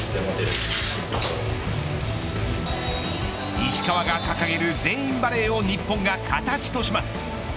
石川が掲げる全員バレーを日本が形とします。